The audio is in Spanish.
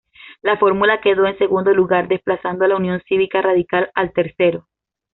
La fórmula quedó en segundo lugar, desplazando a la Unión Cívica Radical al tercero.